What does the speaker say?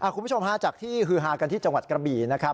คุณผู้ชมฮาจากที่ฮือฮากันที่จังหวัดกระบี่นะครับ